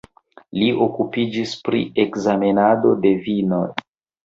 Li okupiĝis pri ekzamenado de vinoj.